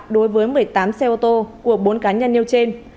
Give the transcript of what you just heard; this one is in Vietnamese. đối với một mươi tám xe ô tô của bốn cá nhân nêu trên